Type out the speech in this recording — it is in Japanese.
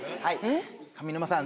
上沼さん